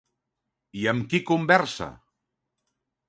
I amb qui conversa?